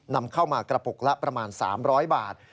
นำเข้ามากระปุกละประมาณ๓๐๐บาท